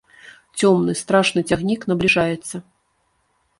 Цёмны, страшны цягнік набліжаецца.